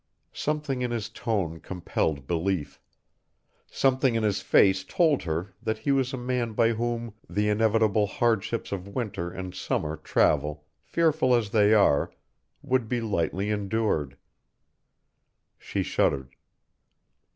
Something in his tone compelled belief; something in his face told her that he was a man by whom the inevitable hardships of winter and summer travel, fearful as they are, would be lightly endured. She shuddered.